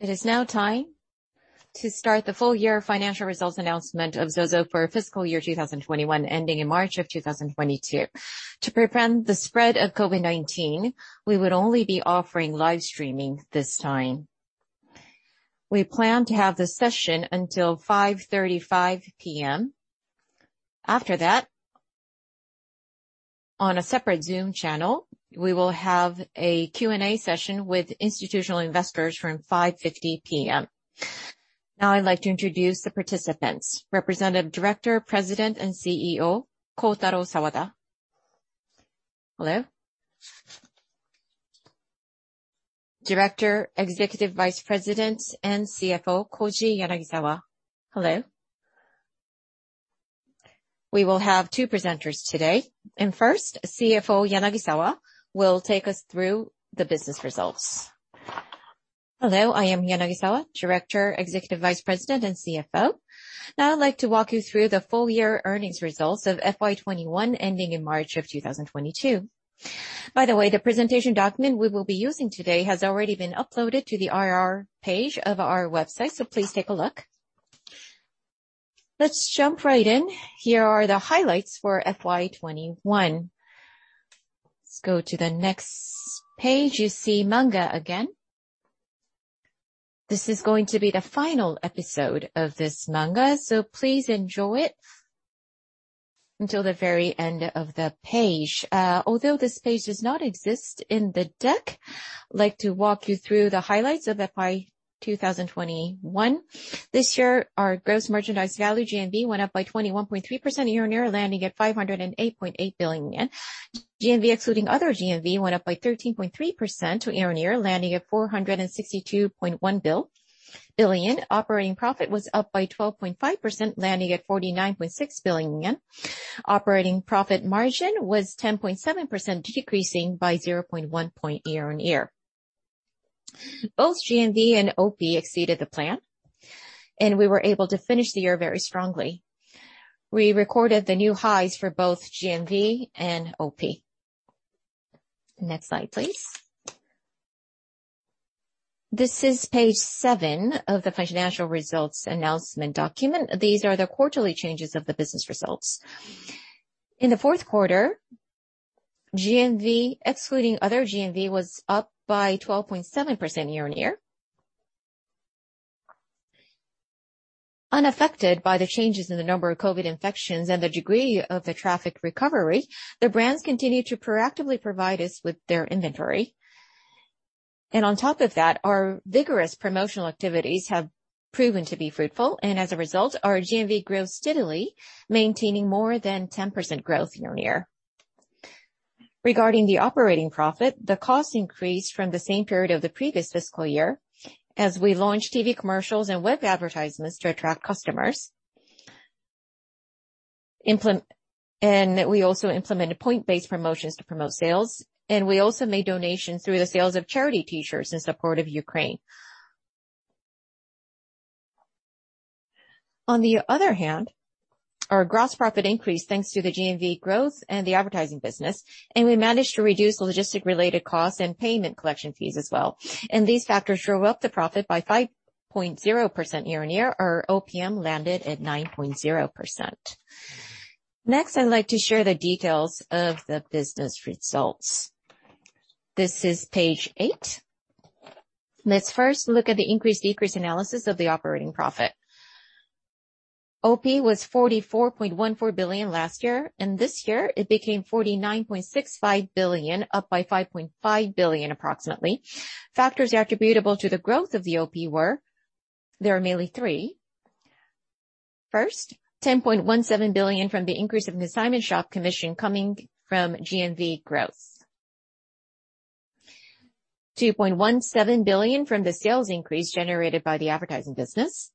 It is now time to start the full year financial results announcement of ZOZO for fiscal year 2021 ending in March of 2022. To prevent the spread of COVID-19, we would only be offering live streaming this time. We plan to have the session until 5:35 P.M. After that, on a separate Zoom channel, we will have a Q&A session with institutional investors from 5:50 P.M. Now I'd like to introduce the participants. Representative Director, President and CEO, Kotaro Sawada. Hello. Director, Executive Vice President and CFO, Koji Yanagisawa. Hello. We will have two presenters today, and first, CFO Yanagisawa will take us through the business results. Hello, I am Yanagisawa, Director, Executive Vice President and CFO. Now I'd like to walk you through the full year earnings results of FY 2021 ending in March of 2022. By the way, the presentation document we will be using today has already been uploaded to the IR page of our website, so please take a look. Let's jump right in. Here are the highlights for FY 2021. Let's go to the next page. You see manga again. This is going to be the final episode of this manga, so please enjoy it until the very end of the page. Although this page does not exist in the deck, I'd like to walk you through the highlights of FY 2021. This year our gross merchandise value, GMV, went up by 21.3% year-on-year, landing at 508.8 billion yen. GMV, excluding other GMV, went up by 13.3% year-on-year, landing at 462.1 billion. Operating profit was up by 12.5%, landing at 49.6 billion yen. Operating profit margin was 10.7%, decreasing by 0.1 point year-on-year. Both GMV and OP exceeded the plan, and we were able to finish the year very strongly. We recorded the new highs for both GMV and OP. Next slide, please. This is page 7 of the financial results announcement document. These are the quarterly changes of the business results. In the fourth quarter, GMV, excluding other GMV, was up by 12.7% year-on-year. Unaffected by the changes in the number of COVID-19 infections and the degree of the traffic recovery, the brands continued to proactively provide us with their inventory. On top of that, our vigorous promotional activities have proven to be fruitful, and as a result, our GMV grew steadily, maintaining more than 10% growth year-on-year. Regarding the operating profit, the cost increased from the same period of the previous fiscal year as we launched TV commercials and web advertisements to attract customers, and we also implemented point-based promotions to promote sales, and we also made donations through the sales of charity T-shirts in support of Ukraine. On the other hand, our gross profit increased thanks to the GMV growth and the advertising business, and we managed to reduce logistics-related costs and payment collection fees as well. These factors drove up the profit by 5.0% year-on-year. Our OPM landed at 9.0%. Next, I'd like to share the details of the business results. This is page 8. Let's first look at the increase/decrease analysis of the operating profit. OP was 44.14 billion last year, and this year it became 49.65 billion, up by 5.5 billion approximately. Factors attributable to the growth of the OP were, there are mainly 3. First, 10.17 billion from the increase of consignment shop commission coming from GMV growth. 2.17 billion from the sales increase generated by the advertising business.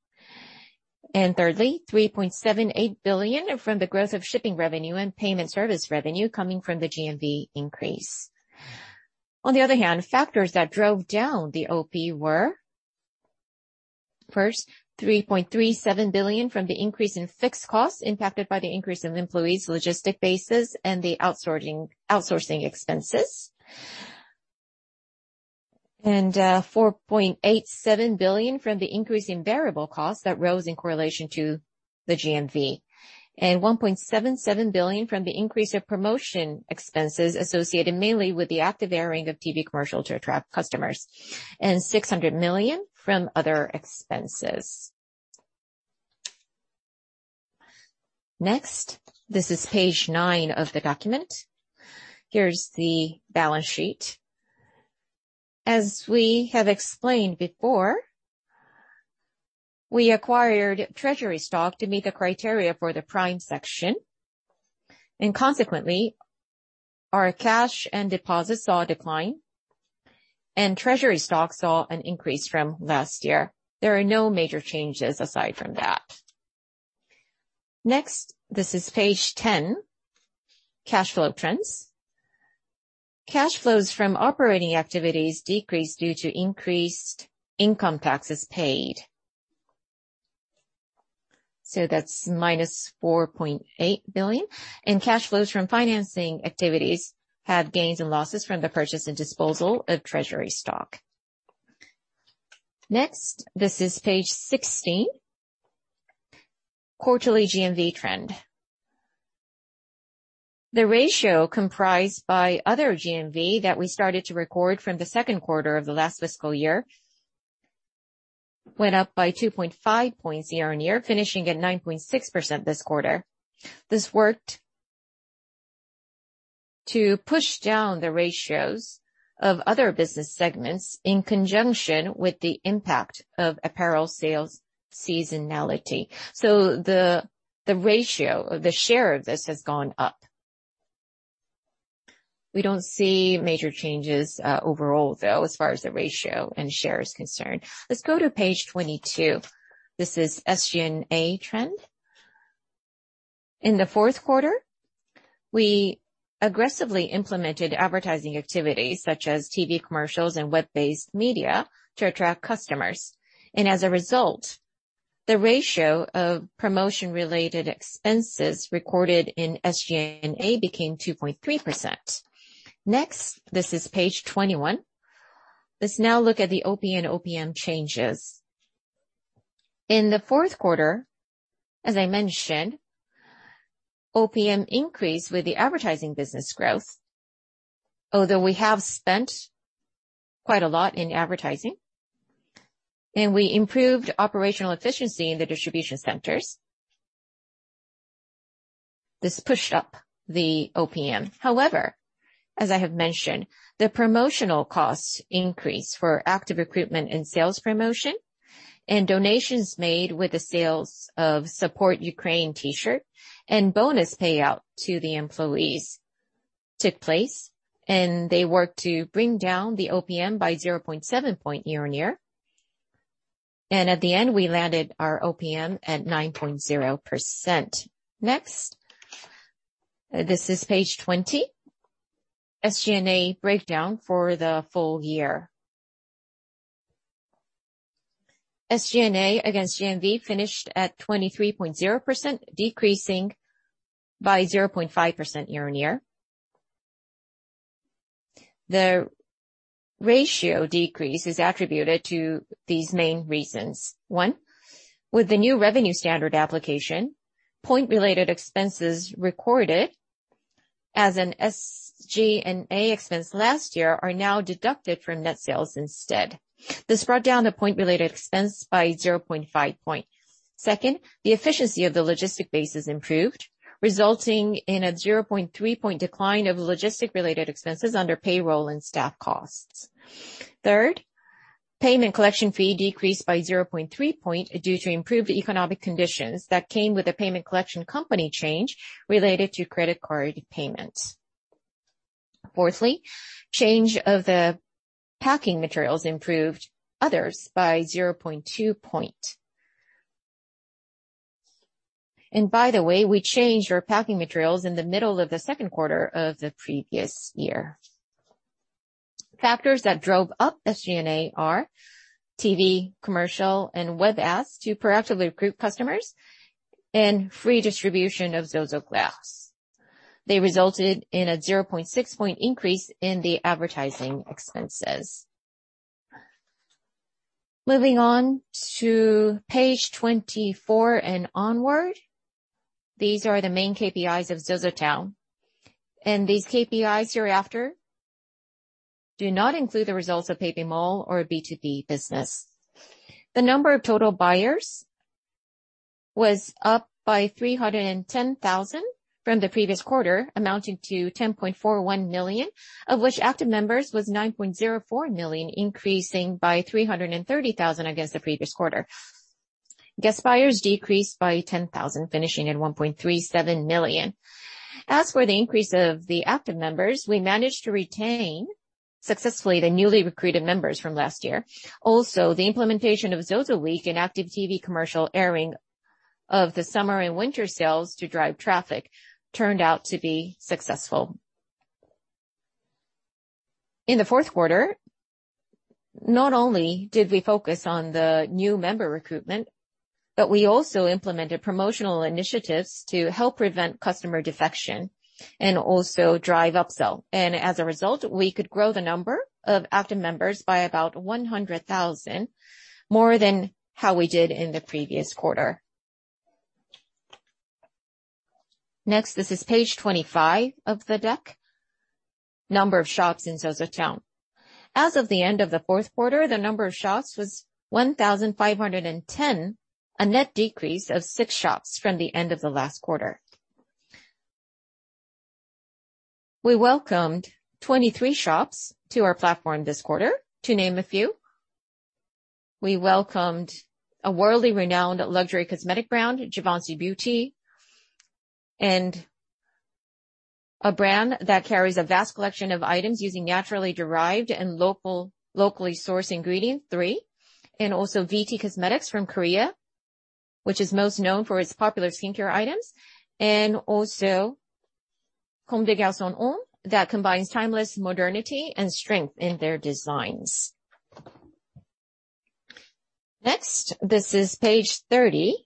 And thirdly, 3.78 billion from the growth of shipping revenue and payment service revenue coming from the GMV increase. On the other hand, factors that drove down the OP were, first, 3.37 billion from the increase in fixed costs impacted by the increase in employees, logistics bases and the outsourcing expenses. 4.87 billion from the increase in variable costs that rose in correlation to the GMV. 1.77 billion from the increase of promotion expenses associated mainly with the active airing of TV commercial to attract customers. 600 million from other expenses. Next, this is page 9 of the document. Here's the balance sheet. As we have explained before, we acquired treasury stock to meet the criteria for the prime section, and consequently, our cash and deposits saw a decline, and treasury stock saw an increase from last year. There are no major changes aside from that. Next, this is page 10, cash flow trends. Cash flows from operating activities decreased due to increased income taxes paid. That's minus 4.8 billion. Cash flows from financing activities had gains and losses from the purchase and disposal of treasury stock. Next, this is page 16, quarterly GMV trend. The ratio comprised by other GMV that we started to record from the second quarter of the last fiscal year went up by 2.5 points year-on-year, finishing at 9.6% this quarter. This worked to push down the ratios of other business segments in conjunction with the impact of apparel sales seasonality. The ratio or the share of this has gone up. We don't see major changes overall though, as far as the ratio and share is concerned. Let's go to page 22. This is SG&A trend. In the fourth quarter, we aggressively implemented advertising activities such as TV commercials and web-based media to attract customers, and as a result, the ratio of promotion-related expenses recorded in SG&A became 2.3%. Next, this is page 21. Let's now look at the OP and OPM changes. In the fourth quarter, as I mentioned, OPM increased with the advertising business growth, although we have spent quite a lot in advertising, and we improved operational efficiency in the distribution centers. This pushed up the OPM. However, as I have mentioned, the promotional costs increased for active recruitment and sales promotion, and donations made with the sales of Support Ukraine T-shirt and bonus payout to the employees took place, and they worked to bring down the OPM by 0.7 points year-on-year. At the end, we landed our OPM at 9.0%. Next. This is page 20. SG&A breakdown for the full year. SG&A against GMV finished at 23.0%, decreasing by 0.5% year-on-year. The ratio decrease is attributed to these main reasons. One, with the new revenue standard application, point-related expenses recorded as an SG&A expense last year are now deducted from net sales instead. This brought down the point-related expense by 0.5. Second, the efficiency of the logistic base has improved, resulting in a 0.3 point decline of logistic-related expenses under payroll and staff costs. Third, payment collection fee decreased by 0.3 point due to improved economic conditions that came with a payment collection company change related to credit card payments. Fourthly, change of the packing materials improved others by 0.2 point. By the way, we changed our packing materials in the middle of the second quarter of the previous year. Factors that drove up SG&A are TV commercial and web ads to proactively recruit customers and free distribution of ZOZOGLASS. They resulted in a 0.6-point increase in the advertising expenses. Moving on to page 24 and onward. These are the main KPIs of ZOZOTOWN. These KPIs hereafter do not include the results of PayPay Mall or B2B business. The number of total buyers was up by 310,000 from the previous quarter, amounting to 10.41 million, of which active members was 9.04 million, increasing by 330,000 against the previous quarter. Guest buyers decreased by 10,000, finishing at 1.37 million. As for the increase of the active members, we managed to retain successfully the newly recruited members from last year. Also, the implementation of ZOZO Week in active TV commercial airing of the summer and winter sales to drive traffic turned out to be successful. In the fourth quarter, not only did we focus on the new member recruitment, but we also implemented promotional initiatives to help prevent customer defection and also drive upsell. As a result, we could grow the number of active members by about 100,000, more than how we did in the previous quarter. Next, this is page 25 of the deck. Number of shops in ZOZOTOWN. As of the end of the fourth quarter, the number of shops was 1,510, a net decrease of six shops from the end of the last quarter. We welcomed 23 shops to our platform this quarter. To name a few, we welcomed a world-renowned luxury cosmetic brand, Givenchy Beauty, and a brand that carries a vast collection of items using naturally derived and local, locally sourced ingredient, THREE. VT Cosmetics from Korea, which is most known for its popular skincare items. Comme des Garçons Homme that combines timeless modernity and strength in their designs. Next, this is page 30.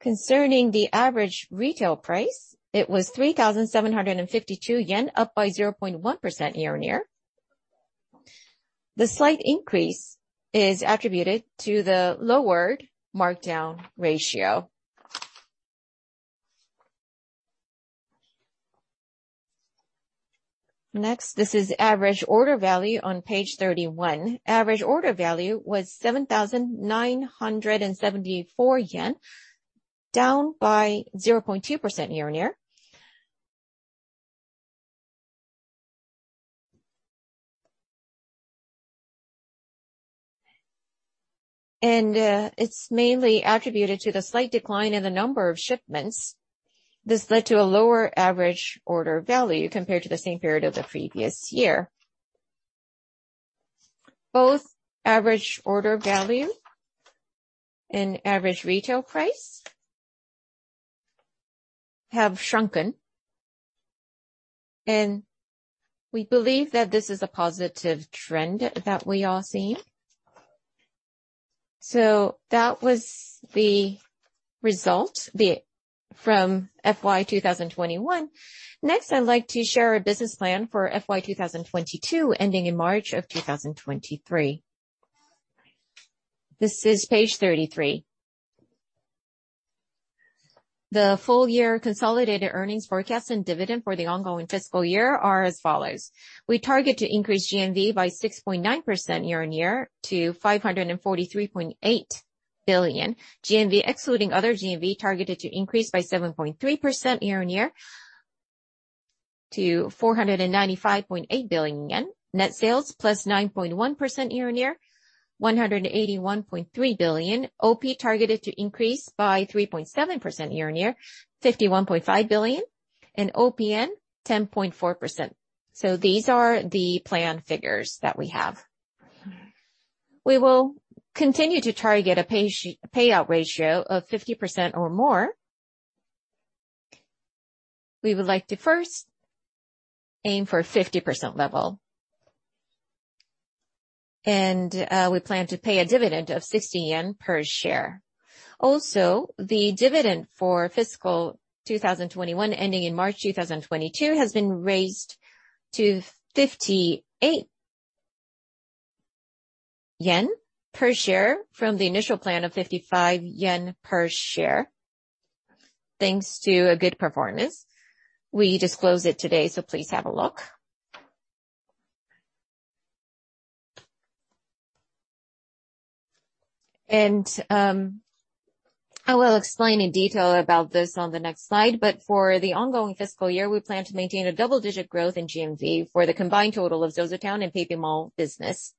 Concerning the average retail price, it was 3,752 yen, up by 0.1% year-on-year. The slight increase is attributed to the lowered markdown ratio. Next, this is average order value on page 31. Average order value was 7,974 yen, down by 0.2% year-on-year. It's mainly attributed to the slight decline in the number of shipments. This led to a lower average order value compared to the same period of the previous year. Both average order value and average retail price have shrunken, and we believe that this is a positive trend that we are seeing. That was the result from FY 2021. Next, I'd like to share our business plan for FY 2022 ending in March 2023. This is page 33. The full year consolidated earnings forecast and dividend for the ongoing fiscal year are as follows. We target to increase GMV by 6.9% year-on-year to 543.8 billion. GMV, excluding other GMV, targeted to increase by 7.3% year-on-year to 495.8 billion yen. Net sales plus 9.1% year-on-year, 181.3 billion. OP targeted to increase by 3.7% year-on-year, 51.5 billion and OPM 10.4%. These are the plan figures that we have. We will continue to target a payout ratio of 50% or more. We would like to first aim for a 50% level. We plan to pay a dividend of 60 yen per share. Also, the dividend for fiscal 2021 ending in March 2022 has been raised to 58 yen per share from the initial plan of 55 yen per share, thanks to a good performance. We disclose it today, so please have a look. I will explain in detail about this on the next slide. For the ongoing fiscal year, we plan to maintain a double-digit growth in GMV for the combined total of ZOZOTOWN and PayPay Mall business.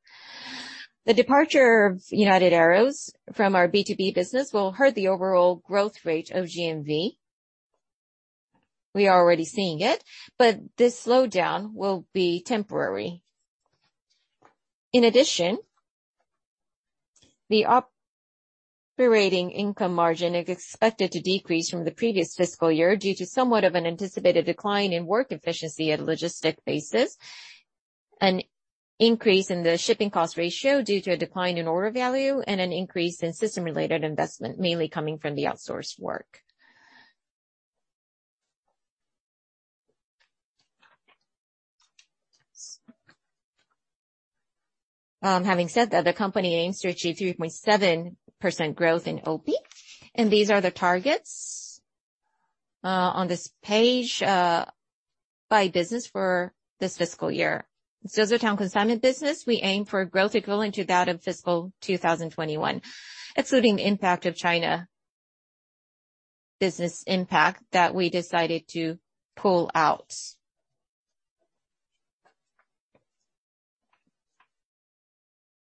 The departure of United Arrows from our B2B business will hurt the overall growth rate of GMV. We are already seeing it, but this slowdown will be temporary. In addition, the operating income margin is expected to decrease from the previous fiscal year due to somewhat of an anticipated decline in work efficiency on a logistics basis, an increase in the shipping cost ratio due to a decline in order value, and an increase in system-related investment, mainly coming from the outsourced work. Having said that, the company aims to achieve 3.7% growth in OP. These are the targets on this page by business for this fiscal year. ZOZOTOWN consignment business, we aim for growth equivalent to that of fiscal 2021, excluding the impact of China business that we decided to pull out.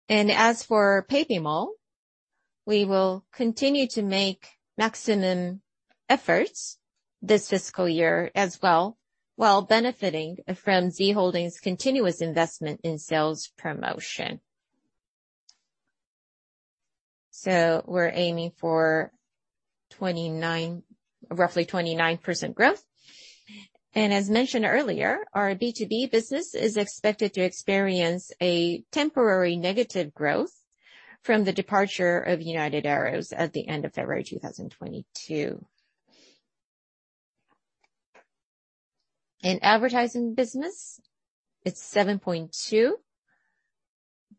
As for PayPay Mall, we will continue to make maximum efforts this fiscal year as well, while benefiting from Z Holdings continued investment in sales promotion. We're aiming for 29. Roughly 29% growth. As mentioned earlier, our B2B business is expected to experience a temporary negative growth from the departure of United Arrows at the end of February 2022. In advertising business, it's 7.2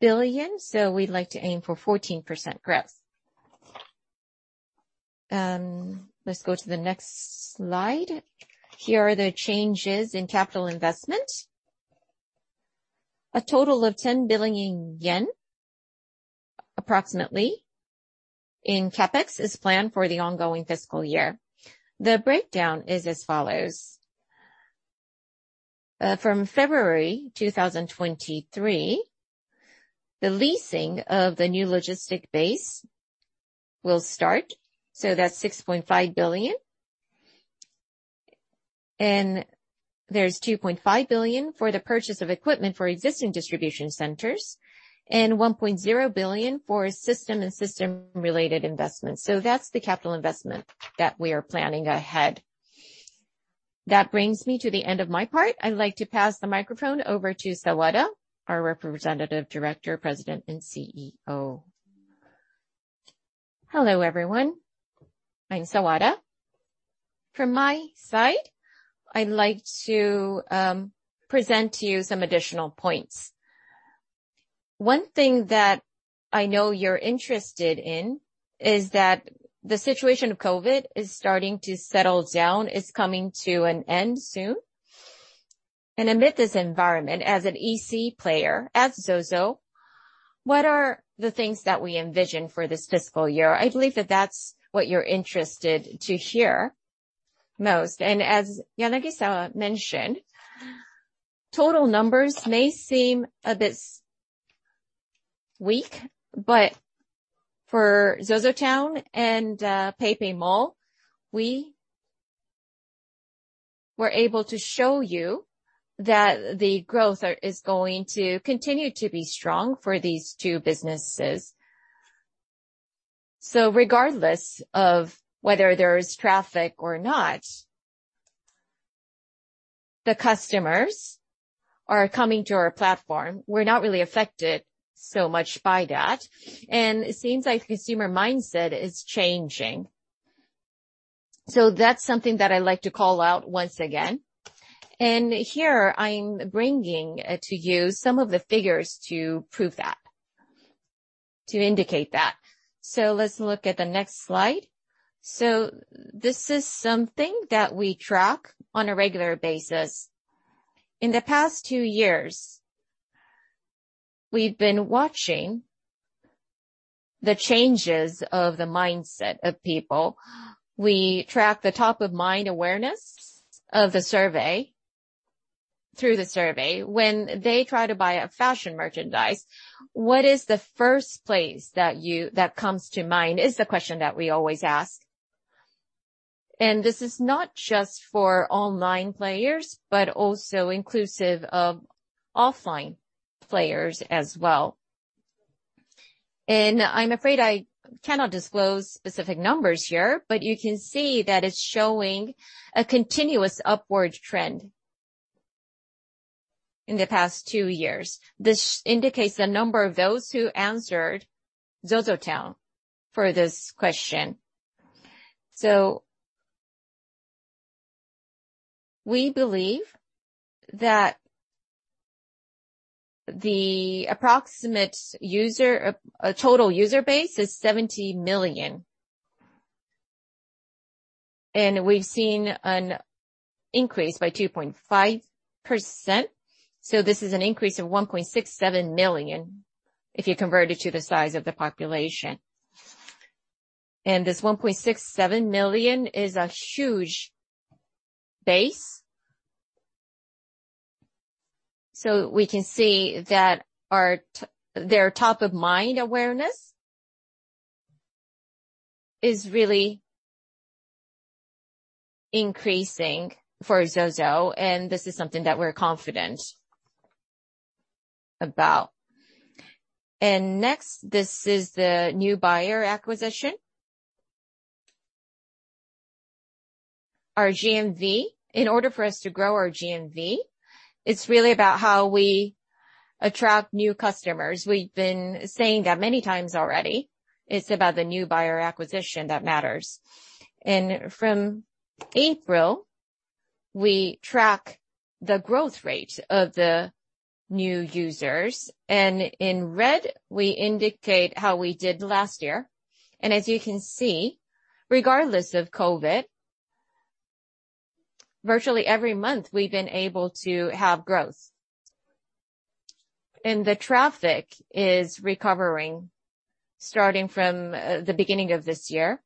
billion, so we'd like to aim for 14% growth. Let's go to the next slide. Here are the changes in capital investment. A total of 10 billion yen, approximately, in CapEx is planned for the ongoing fiscal year. The breakdown is as follows. From February 2023, the leasing of the new logistics base will start. So that's 6.5 billion. There's 2.5 billion for the purchase of equipment for existing distribution centers, and 1.0 billion for system and system-related investments. So that's the capital investment that we are planning ahead. That brings me to the end of my part. I'd like to pass the microphone over to Sawada, our Representative Director, President, and CEO. Hello, everyone. I'm Sawada. From my side, I'd like to present to you some additional points. One thing that I know you're interested in is that the situation of COVID is starting to settle down, it's coming to an end soon. Amid this environment, as an EC player, as ZOZO, what are the things that we envision for this fiscal year? I believe that that's what you're interested to hear most. As Yanagisawa mentioned, total numbers may seem a bit weak, but for ZOZOTOWN and PayPay Mall, we were able to show you that the growth is going to continue to be strong for these two businesses. Regardless of whether there's traffic or not, the customers are coming to our platform. We're not really affected so much by that, and it seems like consumer mindset is changing. That's something that I like to call out once again. Here I'm bringing to you some of the figures to prove that, to indicate that. Let's look at the next slide. This is something that we track on a regular basis. In the past two years, we've been watching the changes of the mindset of people. We track the top-of-mind awareness through the survey. When they try to buy a fashion merchandise, what is the first place that comes to mind, is the question that we always ask. This is not just for online players, but also inclusive of offline players as well. I'm afraid I cannot disclose specific numbers here, but you can see that it's showing a continuous upward trend in the past two years. This indicates the number of those who answered ZOZOTOWN for this question. We believe that the approximate user total user base is 70 million. We've seen an increase by 2.5%, so this is an increase of 1.67 million if you convert it to the size of the population. This 1.67 million is a huge base. We can see that their top-of-mind awareness is really increasing for ZOZO, and this is something that we're confident about. Next, this is the new buyer acquisition. Our GMV. In order for us to grow our GMV, it's really about how we attract new customers. We've been saying that many times already. It's about the new buyer acquisition that matters. From April, we track the growth rate of the new users. In red, we indicate how we did last year. As you can see, regardless of COVID-19, virtually every month we've been able to have growth. The traffic is recovering starting from the beginning of this year.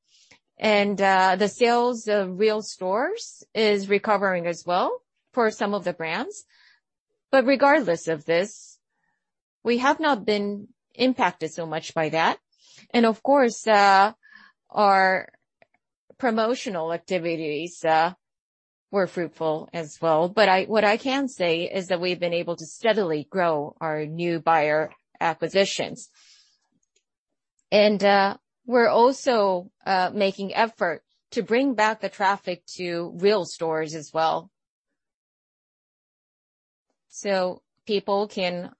The sales of real stores is recovering as well for some of the brands. Regardless of this, we have not been impacted so much by that. Of course, our promotional activities were fruitful as well. I, what I can say is that we've been able to steadily grow our new buyer acquisitions. We're also making effort to bring back the traffic to real stores as well. People can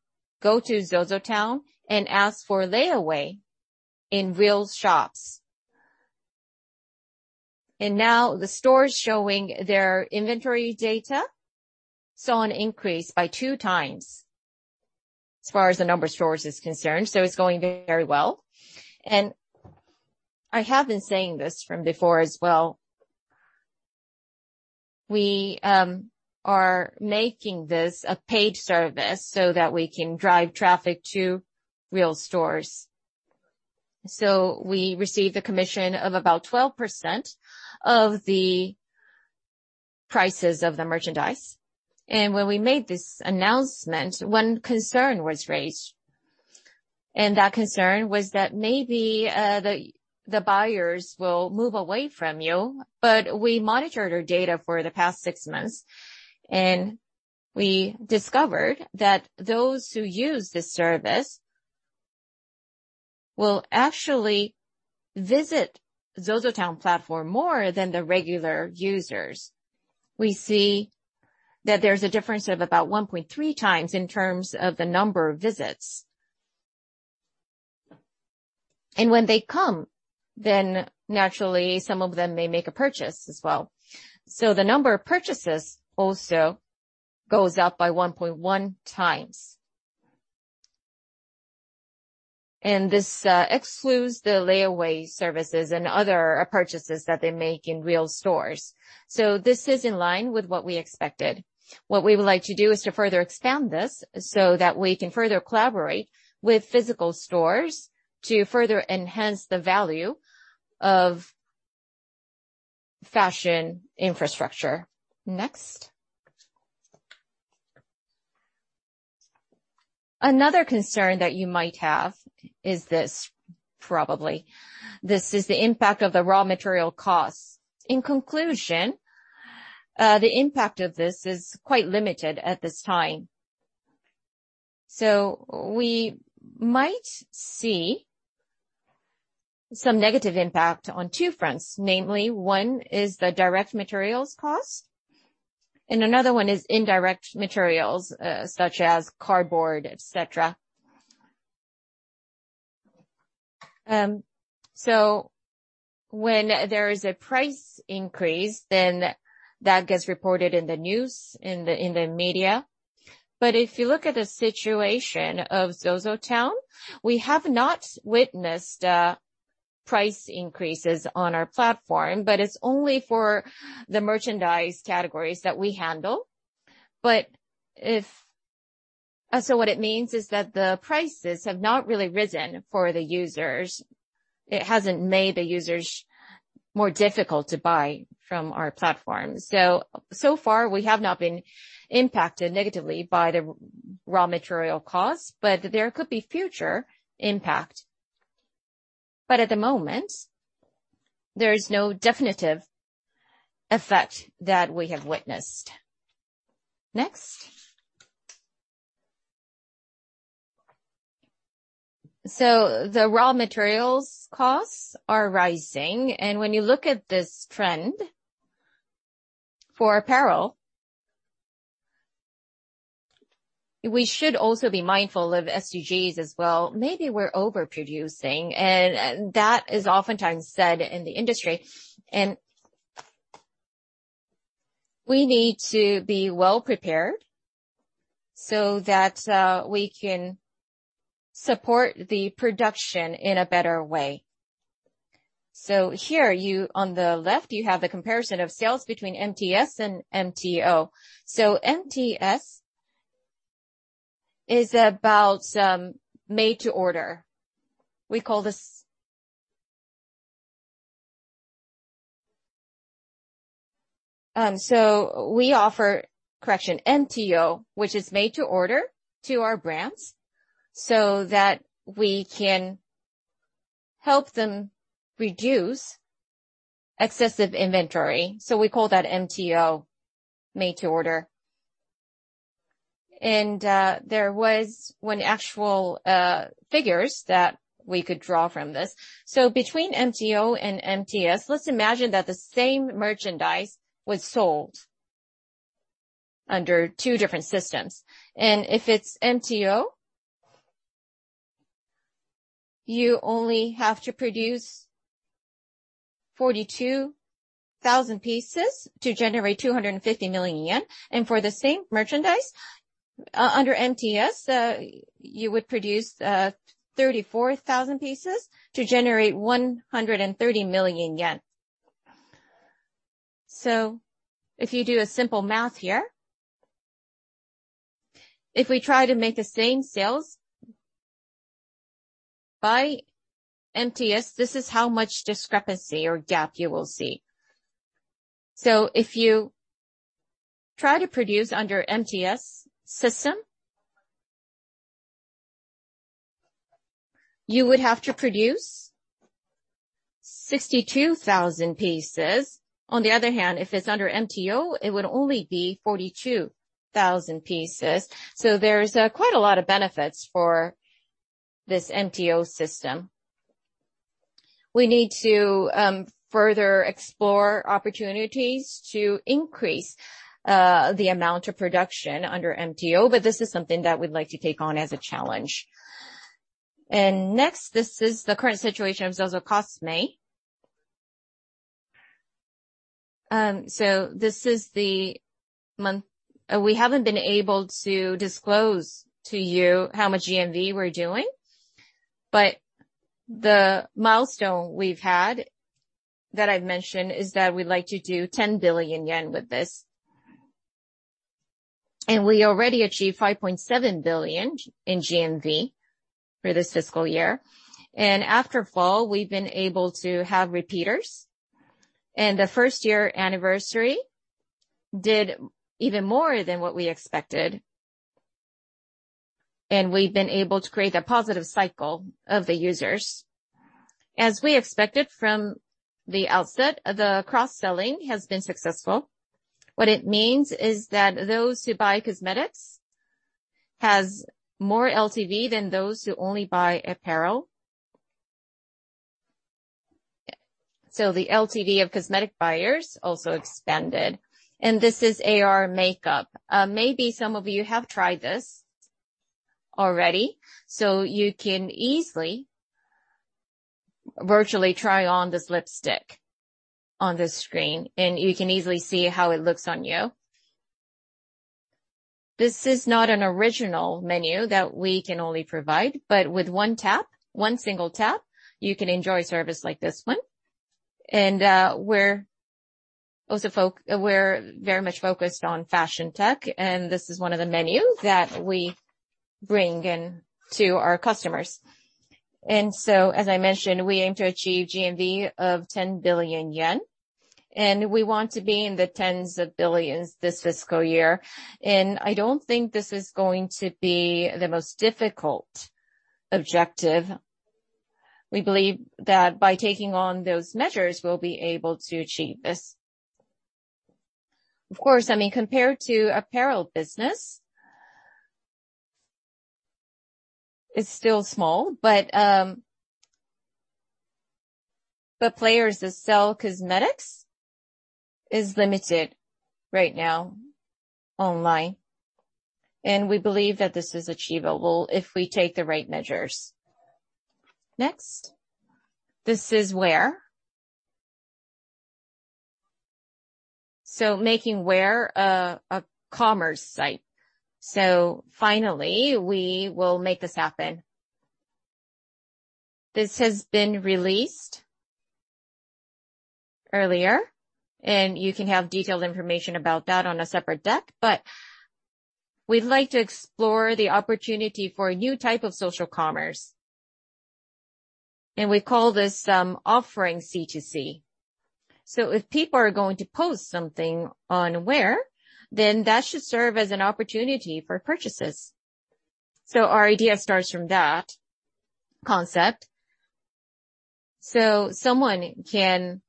go to ZOZOTOWN and ask for layaway in real shops. Now the stores showing their inventory data saw an increase by two times as far as the number of stores is concerned. It's going very well. I have been saying this from before as well. We are making this a paid service so that we can drive traffic to real stores. We receive a commission of about 12% of the prices of the merchandise. When we made this announcement, one concern was raised. That concern was that maybe the buyers will move away from you. We monitored our data for the past six months, and we discovered that those who use this service will actually visit ZOZOTOWN platform more than the regular users. We see that there's a difference of about 1.3x in terms of the number of visits. When they come, then naturally, some of them may make a purchase as well. The number of purchases also goes up by 1.1. This excludes the layaway services and other purchases that they make in real stores. This is in line with what we expected. What we would like to do is to further expand this so that we can further collaborate with physical stores to further enhance the value of fashion infrastructure. Next. Another concern that you might have is this, probably. This is the impact of the raw material costs. In conclusion, the impact of this is quite limited at this time. We might see some negative impact on two fronts. Namely, one is the direct materials cost, and another one is indirect materials, such as cardboard, et cetera. When there is a price increase, then that gets reported in the news, in the, in the media. But if you look at the situation of ZOZOTOWN, we have not witnessed price increases on our platform, but it's only for the merchandise categories that we handle. What it means is that the prices have not really risen for the users. It hasn't made the users more difficult to buy from our platform. So far, we have not been impacted negatively by the raw material costs, but there could be future impact. But at the moment, there is no definitive effect that we have witnessed. Next. The raw materials costs are rising, and when you look at this trend for apparel, we should also be mindful of SDGs as well. Maybe we're overproducing, and that is oftentimes said in the industry. We need to be well prepared so that we can support the production in a better way. Here, on the left, you have the comparison of sales between MTS and MTO. MTS is about made to order. We call this MTO, which is made to order, to our brands so that we can help them reduce excessive inventory. We call that MTO, made to order. There was one actual figure that we could draw from this. Between MTO and MTS, let's imagine that the same merchandise was sold under two different systems. If it's MTO, you only have to produce 42,000 pieces to generate 250 million yen. For the same merchandise, under MTS, you would produce 34,000 pieces to generate JPY 130 million. If you do a simple math here, if we try to make the same sales by MTS, this is how much discrepancy or gap you will see. If you try to produce under MTS system, you would have to produce 62,000 pieces. On the other hand, if it's under MTO, it would only be 42,000 pieces. There's quite a lot of benefits for this MTO system. We need to further explore opportunities to increase the amount of production under MTO, but this is something that we'd like to take on as a challenge. Next, this is the current situation of ZOZOCOSME. This is the month... We haven't been able to disclose to you how much GMV we're doing, but the milestone we've had that I've mentioned is that we'd like to do 10 billion yen with this. We already achieved 5.7 billion in GMV for this fiscal year. After fall, we've been able to have repeaters. The first year anniversary did even more than what we expected. We've been able to create a positive cycle of the users. As we expected from the outset, the cross-selling has been successful. What it means is that those who buy cosmetics has more LTV than those who only buy apparel. The LTV of cosmetic buyers also expanded, and this is AR makeup. Maybe some of you have tried this already. You can easily virtually try on this lipstick on the screen, and you can easily see how it looks on you. This is not an original menu that we can only provide, but with one tap, one single tap, you can enjoy service like this one. We're very much focused on fashion tech, and this is one of the menus that we bring in to our customers. As I mentioned, we aim to achieve GMV of 10 billion yen, and we want to be in the tens of billions this fiscal year. I don't think this is going to be the most difficult objective. We believe that by taking on those measures, we'll be able to achieve this. Of course, I mean, compared to apparel business it's still small, but the players that sell cosmetics is limited right now online, and we believe that this is achievable if we take the right measures. Next. This is WEAR. Making WEAR a commerce site. Finally, we will make this happen. This has been released earlier, and you can have detailed information about that on a separate deck, but we'd like to explore the opportunity for a new type of social commerce. We call this offering C2C. If people are going to post something on WEAR, then that should serve as an opportunity for purchases. Our idea starts from that concept. Someone can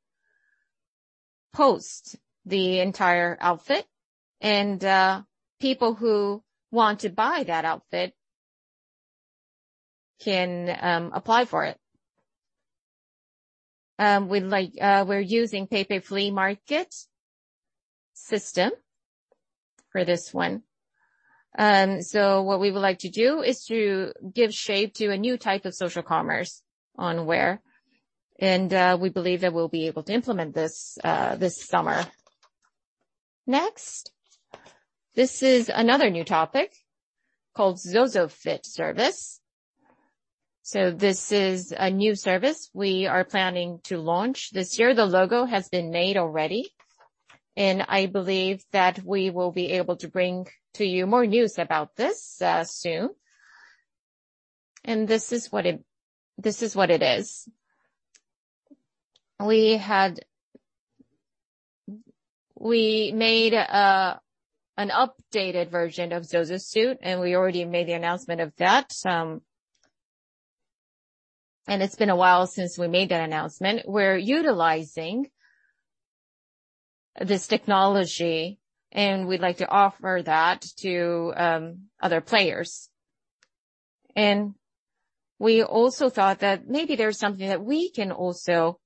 post the entire outfit and people who want to buy that outfit can apply for it. We'd like We're using PayPay Flea Market system for this one. What we would like to do is to give shape to a new type of social commerce on WEAR, and we believe that we'll be able to implement this summer. Next. This is another new topic called ZOZOFIT service. This is a new service we are planning to launch this year. The logo has been made already, and I believe that we will be able to bring to you more news about this soon. This is what it is. We made an updated version of ZOZOSUIT, and we already made the announcement of that. It's been a while since we made that announcement. We're utilizing this technology, and we'd like to offer that to other players. We also thought that maybe there's something that we can also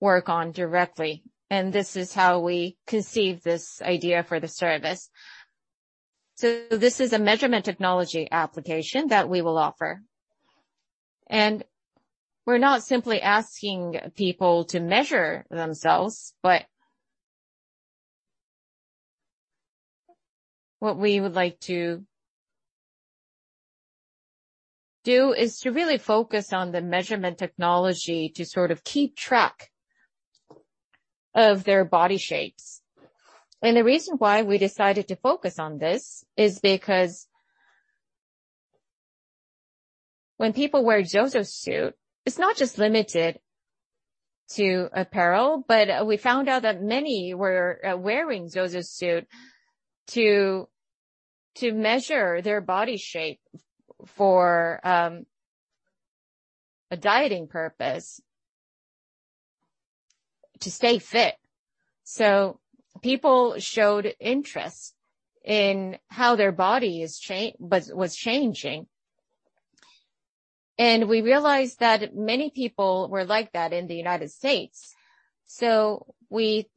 work on directly, and this is how we conceived this idea for the service. This is a measurement technology application that we will offer. We're not simply asking people to measure themselves, but what we would like to do is to really focus on the measurement technology to sort of keep track of their body shapes. The reason why we decided to focus on this is because when people wear ZOZOSUIT, it's not just limited to apparel, but we found out that many were wearing ZOZOSUIT to measure their body shape for a dieting purpose, to stay fit. People showed interest in how their body was changing. We realized that many people were like that in the United States. We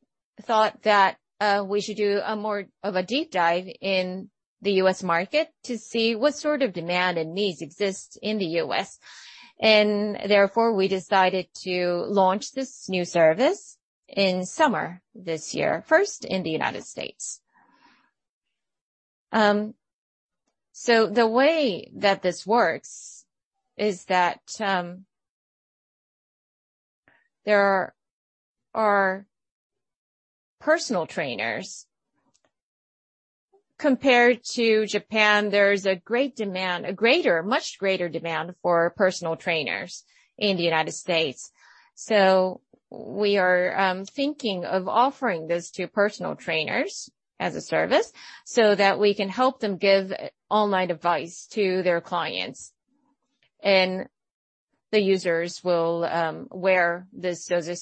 thought that we should do more of a deep dive in the U.S. market to see what sort of demand and needs exist in the U.S. Therefore, we decided to launch this new service in summer this year, first in the United States. The way that this works is that there are personal trainers. Compared to Japan, there's a great demand, a greater, much greater demand for personal trainers in the United States. We are thinking of offering this to personal trainers as a service so that we can help them give online advice to their clients. The users will wear this ZOZO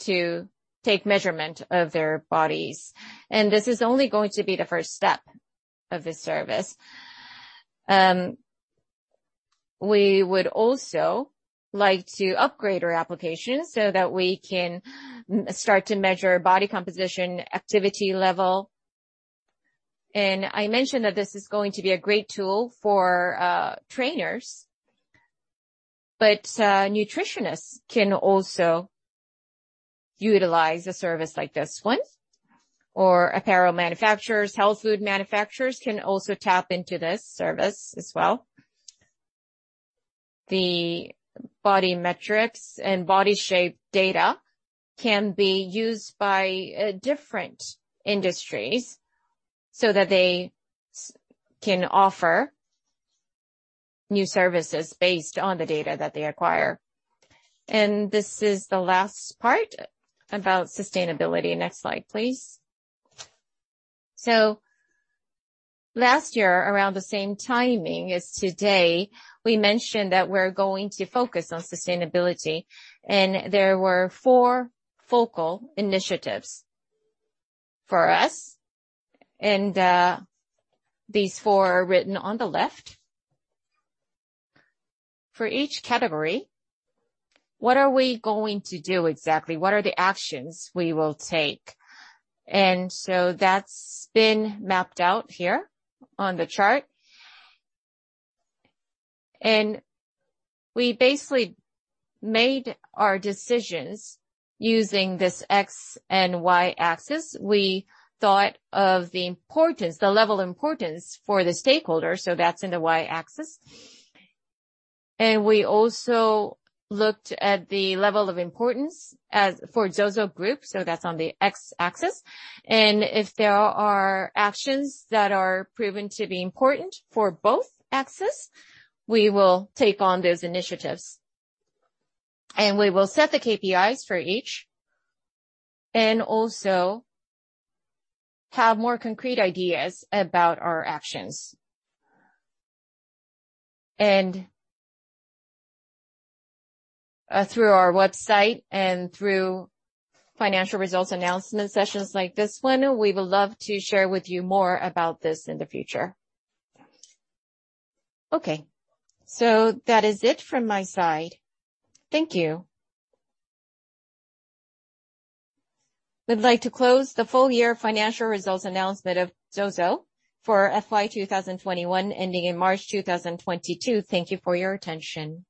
suit to take measurement of their bodies. This is only going to be the first step of this service. We would also like to upgrade our application so that we can start to measure body composition, activity level. I mentioned that this is going to be a great tool for trainers, but nutritionists can also utilize a service like this one, or apparel manufacturers. Health food manufacturers can also tap into this service as well. The body metrics and body shape data can be used by different industries so that they can offer new services based on the data that they acquire. This is the last part about sustainability. Next slide, please. Last year, around the same timing as today, we mentioned that we're going to focus on sustainability. There were four focal initiatives for us. These four are written on the left. For each category, what are we going to do exactly? What are the actions we will take? That's been mapped out here on the chart. We basically made our decisions using this X and Y-axis. We thought of the importance, the level of importance for the stakeholder, so that's in the Y-axis. We also looked at the level of importance as... for ZOZO Group, so that's on the X-axis. If there are actions that are proven to be important for both axes, we will take on those initiatives. We will set the KPIs for each, and also have more concrete ideas about our actions. Through our website and through financial results announcement sessions like this one, we would love to share with you more about this in the future. Okay. That is it from my side. Thank you. We'd like to close the full year financial results announcement of ZOZO for FY 2021 ending in March 2022. Thank you for your attention.